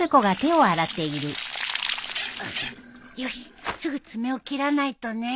よしすぐ爪を切らないとね。